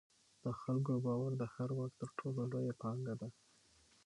د خلکو باور د هر واک تر ټولو لویه پانګه ده